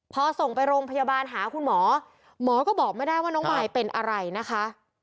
พอส่งไปโรงพยาบาลหาคุณหมอหมอก็บอกไม่ได้ว่าน้องมายเป็นอะไรนะคะ